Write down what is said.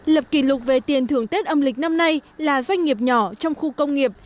lập kỷ lục về tiền thưởng tết âm lịch năm nay là doanh nghiệp nhỏ trong khu công nghiệp